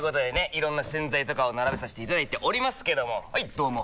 いろんな洗剤とかを並べさせていただいておりますけどもはいどうも！